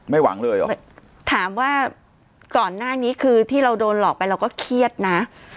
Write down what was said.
หวังเลยเหรอถามว่าก่อนหน้านี้คือที่เราโดนหลอกไปเราก็เครียดนะ